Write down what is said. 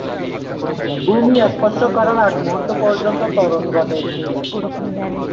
ভূমি স্পর্শ করার আগ মুহূর্ত পর্যন্ত ত্বরণ ঘটে।